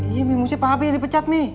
iya mi mesti papi yang dipecat mi